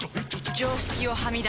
常識をはみ出して